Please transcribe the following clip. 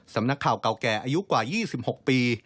สำนักข่าวเก่าแก่อายุกว่า๒๖ปี